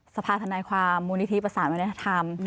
สภาธนายความมูลนิธิประสานวัฒนธรรม